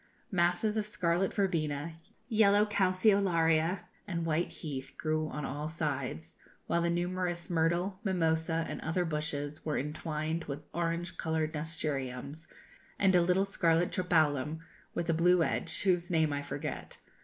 Masses of scarlet verbena, yellow calceolaria, and white heath, grew on all sides, while the numerous myrtle, mimosa, and other bushes, were entwined with orange coloured nasturtiums, and a little scarlet tropæolum, with a blue edge, whose name I forget.